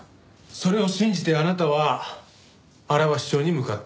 それを信じてあなたは荒鷲町に向かった。